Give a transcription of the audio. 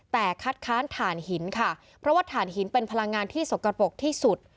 แต่คัดค้านถ่านหินค่ะเพราะว่าฐานหินเป็นพลังงานที่สกปรกที่สุด